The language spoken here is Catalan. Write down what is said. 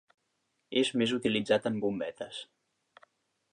Es més utilitzat en bombetes.